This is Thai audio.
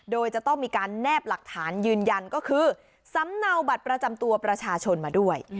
โดยจะต้องมีการแนบหลักฐานยืนยันก็คือสำเนาบัตรประจำตัวประชาชนมาด้วย